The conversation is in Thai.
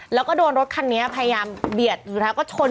แล้วก็โดนรถคันนี้พยายามเบียดสุดท้ายก็ชน